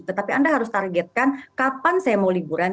tetapi anda harus targetkan kapan saya mau liburan